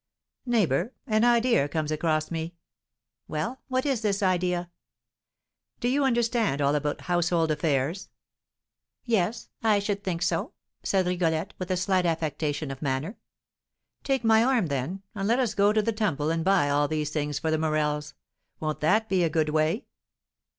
"Neighbour, an idea comes across me." "Well, what is this idea?" "Do you understand all about household affairs?" "Yes; I should think so," said Rigolette, with a slight affectation of manner. "Take my arm, then, and let us go to the Temple and buy all these things for the Morels; won't that be a good way?"